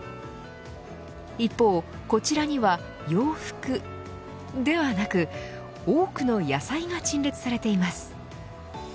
一方、こちらには洋服ではなく、多くの野菜が陳列されています。